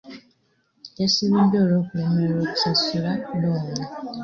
Yasibiddwa olw'okulemererwa okusasula looni.